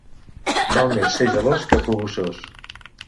Val més ser gelós que cuguçós.